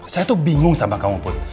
saya tuh bingung sama kamu put